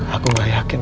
aku gak yakin